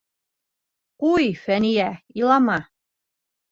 Ҡуй, Фәниә, илама.